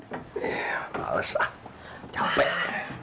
iya males lah capek